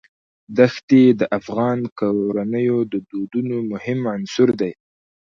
دښتې د افغان کورنیو د دودونو مهم عنصر دی.